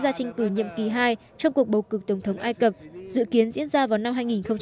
ông sẽ ra tranh cử nhiệm kỳ hai trong cuộc bầu cực tổng thống ai cập dự kiến diễn ra vào năm hai nghìn một mươi tám